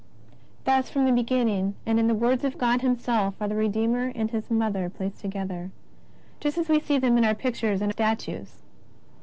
Thus from the beginning, and in the words of God Himself, are the Pedeomer and His Motlier placed to gether, just as we see them in our pictures and statues.